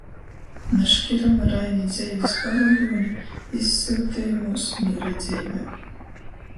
Naškirama Raiņa dzeivis pavodūne izsyutejumūs, mīra dzeivē.